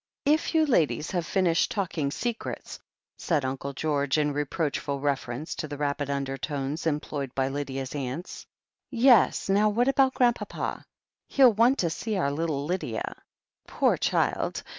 "If you ladies have finished talking secrets said Uncle George, iif reproachful reference to the rapid undertones employed by Lydia's aunts. "Yes, now what about Grandpapa?" "He'll want to see our little Lydia." "Poor child!